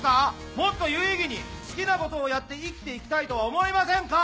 もっと有意義に好きなことをやって生きていきたいとは思いませんか？